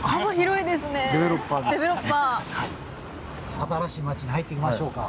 新しい町に入っていきましょうか。